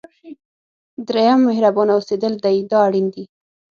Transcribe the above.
دریم مهربانه اوسېدل دی دا اړین دي.